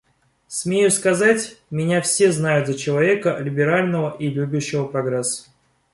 Смею сказать, меня все знают за человека либерального и любящего прогресс.